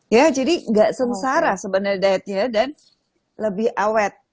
ya jadi gak sengsara sebenarnya dietnya dan lebih awet